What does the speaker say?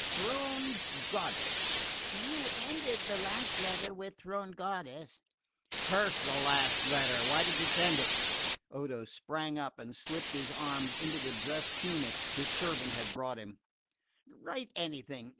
'Throned goddess' " "You ended the last letter with 'throned goddess.'" "Curse the last letter! Why did you send it?" Odo sprang up and slipped his arms into the dress tunic his servant had brought him. "Write anything.